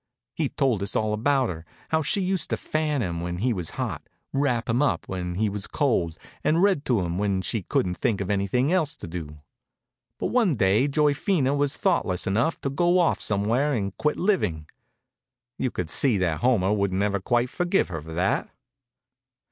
He told us all about her; how she used to fan him when he was hot, wrap him up when he was cold, and read to him when she couldn't think of anything else to do. But one day Joyphena was thoughtless enough to go off somewhere and quit living. You could see that Homer wouldn't ever quite forgive her for that.